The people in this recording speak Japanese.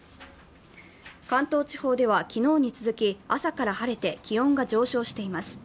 関東地方では昨日に続き朝から晴れて気温が上昇しています。